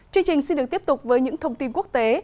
chương trình xin được tiếp tục với những thông tin quốc tế